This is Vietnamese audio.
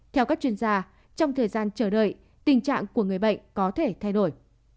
theo các chuyên gia trong thời gian chờ đợi tình trạng của người bệnh có thể thay đổi